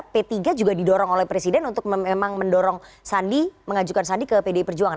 p tiga juga didorong oleh presiden untuk memang mendorong sandi mengajukan sandi ke pdi perjuangan